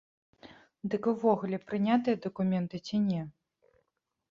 Дык увогуле прынятыя дакументы ці не?